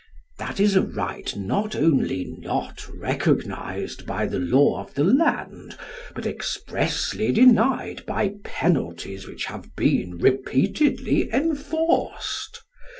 That is a right not only not recognised by the law of the land, but expressly denied by penalties which have been repeatedly enforced.